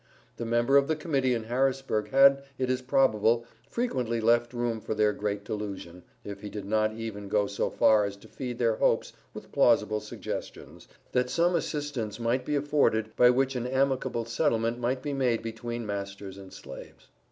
The member of the Committee in Harrisburg had, it is probable, frequently left room for their great delusion, if he did not even go so far as to feed their hopes with plausible suggestions, that some assistance might be afforded by which an amicable settlement might be made between masters and slaves.